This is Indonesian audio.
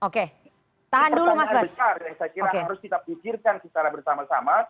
ini pertanyaan besar yang saya kira harus kita pikirkan secara bersama sama